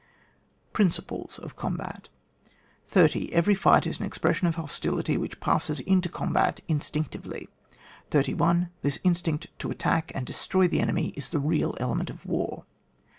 Principles of the combat 30. Every fight is an expression of hos tility, which passes into combat instinc tively. 31. This instinct to attack and destroy the enemy is the real element of war.